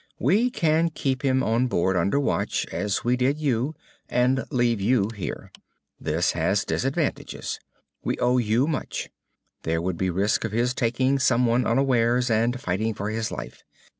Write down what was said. We can keep him on board under watch as we did you and leave you here. This has disadvantages. We owe you much. There would be risk of his taking someone unawares and fighting for his life.